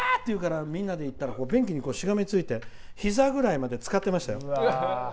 言うからみんなで行ったら便器にしがみついて膝ぐらいまでつかってましたよ。